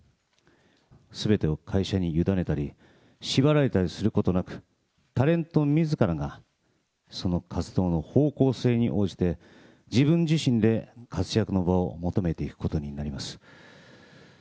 すべてを会社に委ねたり、縛られたりすることなく、タレントみずからが、その活動の方向性に応じて、自分自身で活躍の場を求めていくことになります。